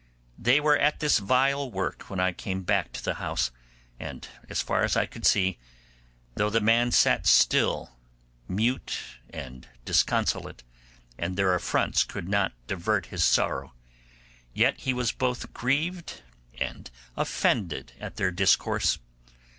They were at this vile work when I came back to the house, and, as far as I could see, though the man sat still, mute and disconsolate, and their affronts could not divert his sorrow, yet he was both grieved and offended at their discourse.